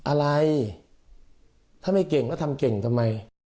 อะไรถ้าไม่เก่งแล้วทำเก่งทำไม